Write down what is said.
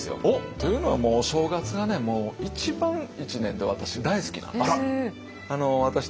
というのはもうお正月がね一番一年で私大好きなんです。